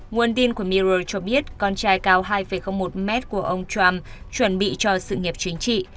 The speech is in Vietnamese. nguồn tin của miro cho biết con trai cao hai một mét của ông trump chuẩn bị cho sự nghiệp chính trị